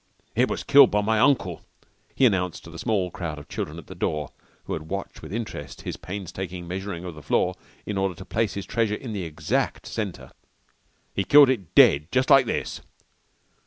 "It was killed by my uncle," he announced to the small crowd of children at the door who had watched with interest his painstaking measuring of the floor in order to place his treasure in the exact centre. "He killed it dead jus' like this."